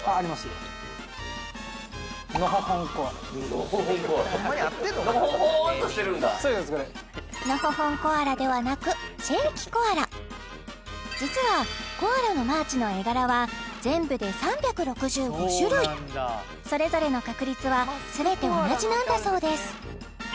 のほほんコアラではなく実はコアラのマーチの絵柄は全部で３６５種類それぞれの確率はすべて同じなんだそうです